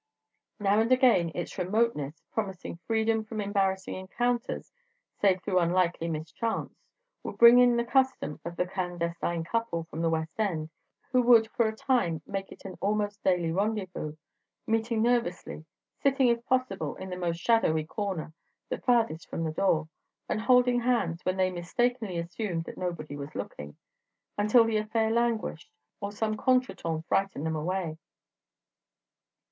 Now and again its remoteness, promising freedom from embarrassing encounters save through unlikely mischance, would bring it the custom of a clandestine couple from the West End, who would for a time make it an almost daily rendezvous, meeting nervously, sitting if possible in the most shadowy corner, the farthest from the door, and holding hands when they mistakenly assumed that nobody was looking—until the affair languished or some contretemps frightened them away.